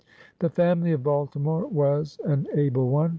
The family of Baltimore was an able one.